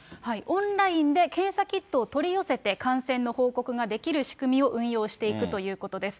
オンラインで検査キットを取り寄せて感染の報告ができる仕組みを運用していくということです。